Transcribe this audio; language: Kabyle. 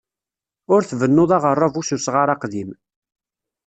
Ur tbennuḍ aɣerrabu s usɣar aqdim.